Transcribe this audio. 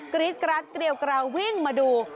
กริดกรัสเกรียวกราววิ่งมาดู